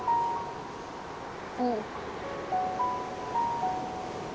うん。